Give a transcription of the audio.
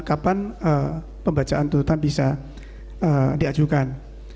kapan pembacaan tuntutan bisa diajukan